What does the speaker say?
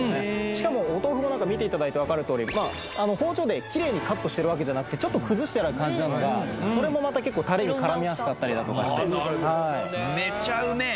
しかもお豆腐も見ていただいて分かるとおりまあ包丁でキレイにカットしてるわけじゃなくてちょっと崩してある感じなのがそれもまた結構タレに絡みやすかったりだとかしてなるほどねめちゃうめえ！